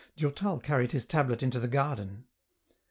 Durtal carried his tablet into the garden.